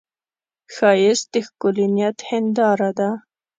ښایست د ښکلي نیت هنداره ده